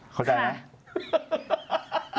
เข้าใจไหม